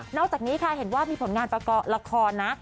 อกจากนี้ค่ะเห็นว่ามีผลงานประกอบละครนะ